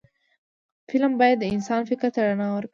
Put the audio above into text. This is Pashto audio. فلم باید د انسان فکر ته رڼا ورکړي